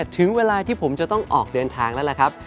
ถึงเวลาที่ผมจะต้องออกเดินทางแล้วล่ะครับ